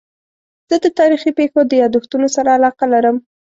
زه د تاریخي پېښو د یادښتونو سره علاقه لرم.